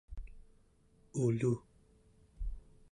ulu